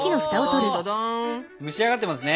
お蒸し上がってますね。